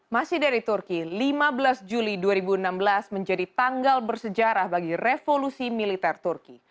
masih dari turki lima belas juli dua ribu enam belas menjadi tanggal bersejarah bagi revolusi militer turki